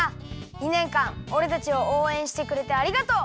２ねんかんおれたちをおうえんしてくれてありがとう！